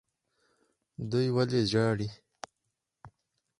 دوی ولې ژاړي.